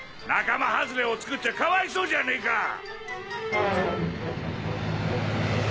仲間外れをつくっちゃかわいそうじゃねえか。